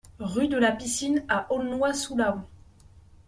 Rue de la Piscine à Aulnois-sous-Laon